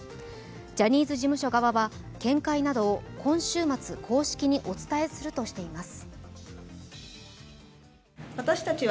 ジャニーズ事務所側は見解などを今週末、公式にお伝えするとしています。